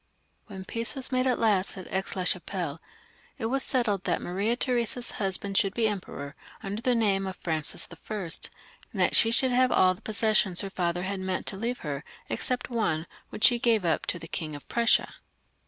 When peace was made at last at Aix la Chapelle, it was settled that Maria Theresa's husband should be Emperor, under the name of Francis I., and that she should have all the possessions her father had meant to leave her, except one, which she gave up to the King of Prussia.